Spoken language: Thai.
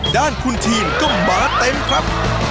ด้านคุณทีมก็มาเต็มครับ